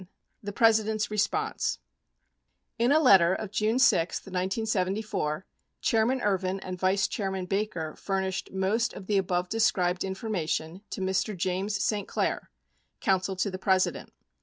The President's Response In a letter of June 6, 1974, Chairman Ervin and Vice Chairman Baker furnished most of the above described information to Mr. James St. Clair, Counsel to the President.